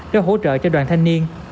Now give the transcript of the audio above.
để hỗ trợ cho đoàn thanh niên